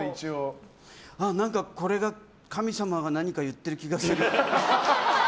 これが神様が何か言ってる気がする。